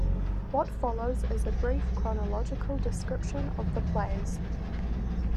What follows is a brief, chronological description of the plays.